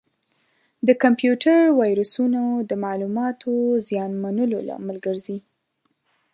د کمپیوټر ویروسونه د معلوماتو زیانمنولو لامل ګرځي.